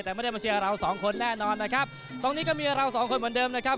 แต่ไม่ได้มาเชียร์เราสองคนแน่นอนนะครับตรงนี้ก็มีเราสองคนเหมือนเดิมนะครับ